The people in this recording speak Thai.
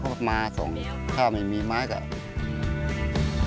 เขาก็มาส่งให้เข้าไปถ่ายให้มีไม้ด้วย